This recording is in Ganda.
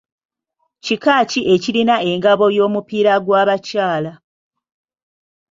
Kika ki ekirina engabo y’omupiira gw’abakyala?